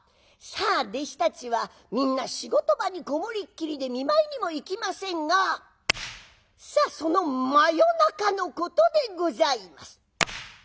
さあ弟子たちはみんな仕事場に籠もりっきりで見舞いにも行きませんがさあその真夜中のことでございます。